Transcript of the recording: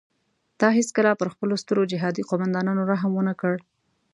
تا هیڅکله پر خپلو سترو جهادي قوماندانانو رحم ونه کړ.